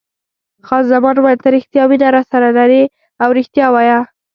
خان زمان وویل: ته رښتیا مینه راسره لرې او رښتیا وایه.